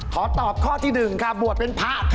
ขอตอบข้อที่๑ค่ะบวชเป็นพระ